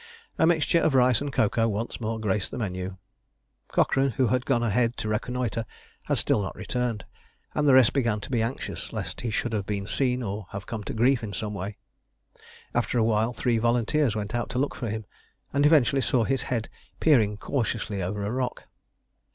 A mixture of rice and cocoa once more graced the menu. Cochrane, who had gone ahead to reconnoitre, had still not returned, and the rest began to be anxious lest he should have been seen, or have come to grief in some way. After a while three volunteers went out to look for him, and eventually saw his head peering cautiously over a rock.